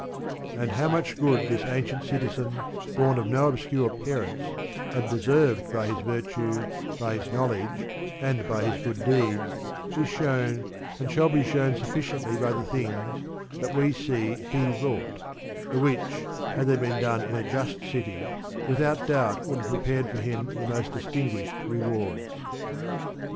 And how much good this ancient citizen, born of no obscure parents, had deserved by his virtue, by his knowledge and by his good deeds, is shewn and shall be shewn sufficiently by the things that we see he wrought; the which, had they been done in a just city, without doubt should have prepared for him the most distinguished rewards.